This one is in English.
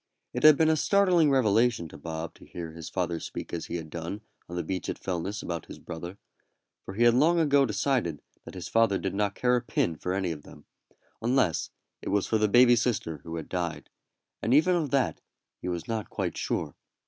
It had been a startling revelation to Bob to hear his father speak as he had done on the beach at Fellness about his brother, for he had long ago decided that his father did not care a pin for any of them, unless it was for the baby sister who had died, and even of that he was not quite sure.